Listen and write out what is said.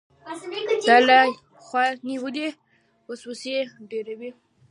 دا له یوې خوا دنیوي وسوسې ډېروي.